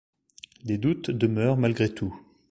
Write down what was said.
Des doutes demeurent malgré tout.